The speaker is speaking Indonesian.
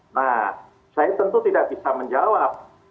nah saya tentu tidak bisa menjawab